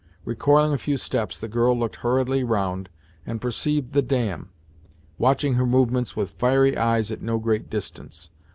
Recoiling a few steps, the girl looked hurriedly round, and perceived the dam, watching her movements with fiery eyes at no great distance.